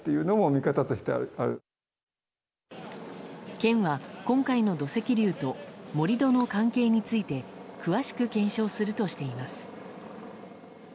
県は今回の土石流と盛り土の関係について詳しく検証するとしています。